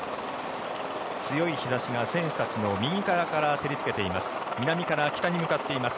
強い日差しが選手たちの右側から照りつけています。